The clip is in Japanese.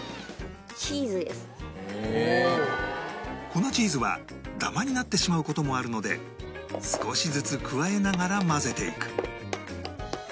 粉チーズはダマになってしまう事もあるので少しずつ加えながら混ぜていく